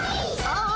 ああ。